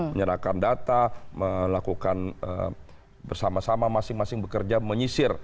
menyerahkan data melakukan bersama sama masing masing bekerja menyisir